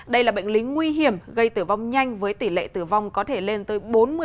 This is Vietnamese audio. đây là bệnh lý nguy hiểm gây tử vong nhanh với tỷ lệ tử vong có thể lên tới bốn mươi